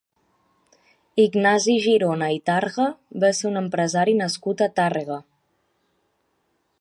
Ignasi Girona i Targa va ser un empresari nascut a Tàrrega.